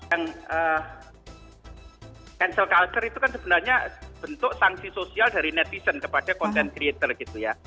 yang cancel culture itu kan sebenarnya bentuk sanksi sosial dari netizen kepada content creator gitu ya